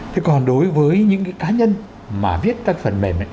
thế còn đối với những cái cá nhân mà viết các phần mềm ấy